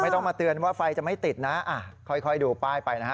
ต้องมาเตือนว่าไฟจะไม่ติดนะค่อยดูป้ายไปนะฮะ